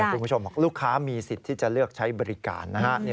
คุณผู้ชมบอกลูกค้ามีสิทธิ์ที่จะเลือกใช้บริการนะฮะ